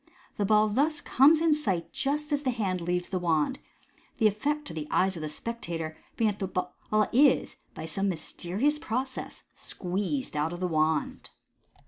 The ball thus comes in sight just as the hand leaves the wand, the effect to the eyes of the spectator s being that the ball is, by some mys terious process, squeezed out of the wand.